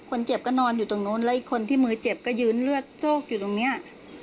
คนเจ็บก็นอนอยู่ตรงนู้นแล้วอีกคนที่มือเจ็บก็ยืนเลือดโชคอยู่ตรงนี้